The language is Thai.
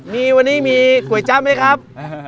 มีวันนี้มีก๋วยจั๊บไหมครับ